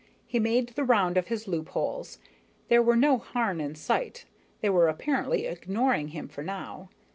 He made the round of his loopholes. There were no Harn in sight, they were apparently ignoring him for now.